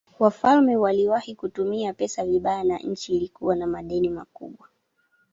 Wafalme waliwahi kutumia pesa vibaya na nchi ilikuwa na madeni makubwa.